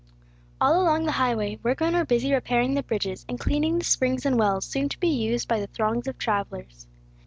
All along the highway, workmen were busy repairing the bridges, and cleaning the springs and wells, soon to be used by the throngs of travellers.